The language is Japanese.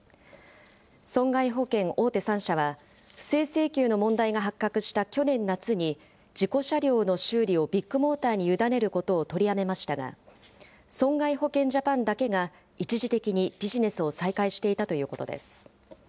損害保険大手３社は、不正請求の問題が発覚した去年夏に、事故車両の修理をビッグモーターに委ねることを取りやめましたが、損害保険ジャパンだけが一時的にビジネスを再開していたということです。